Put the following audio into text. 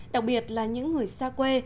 đặc biệt là những người xa quê